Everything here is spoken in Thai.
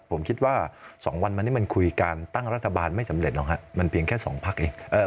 ผมคิดว่า๒วันมานี้มันคุยกันตั้งรัฐบาลไม่สำเร็จหรอกฮะ